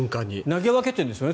投げ分けてるんですよね